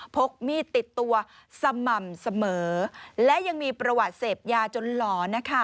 พกมีดติดตัวสม่ำเสมอและยังมีประวัติเสพยาจนหลอนนะคะ